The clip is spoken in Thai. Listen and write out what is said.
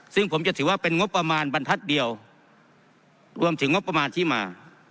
ซึ่งผมจะถือว่าเป็นงบประมาณบรรทัศน์เดียวรวมถึงงบประมาณที่มา